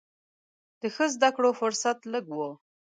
د ښه زده کړو فرصت لږ و.